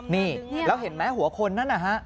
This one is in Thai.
นี่แล้วเห็นไหมหัวคนนั้นนะฮะ